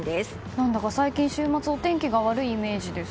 何だか、最近週末はお天気が悪いイメージです。